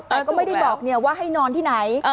แต่ก็ไม่ได้บอกว่าให้นอนที่ไหน